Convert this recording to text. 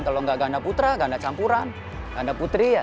kalau nggak ganda putra ganda campuran ganda putri